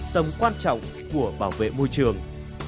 tầm quan trọng của bảo vệ môi trường